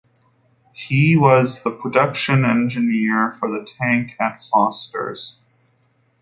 He was the production engineer for the tank at Fosters.